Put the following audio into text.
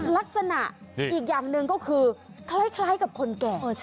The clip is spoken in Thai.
ลักษณะอีกอย่างหนึ่งก็คือคล้ายกับคนแก่